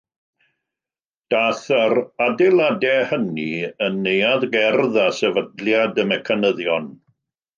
Daeth yr adeiladau hynny yn Neuadd Gerdd a Sefydliad y Mecanyddion.